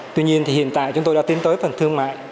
tuy nhiên thì hiện tại chúng tôi đã tiến tới phần thương mại